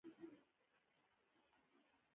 د عرب پسرلی د دې وضعیت پر وړاندې یو غبرګون و.